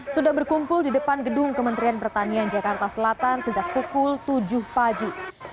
sudah berkumpul di depan gedung kementerian pertanian jakarta selatan sejak pukul tujuh pagi